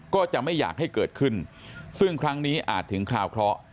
ก็จะไม่อยากให้เกิดขึ้นซึ่งครั้งนี้อาจถึงคราวเคราะห์